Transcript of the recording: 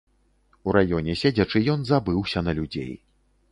У раёне седзячы, ён забыўся на людзей.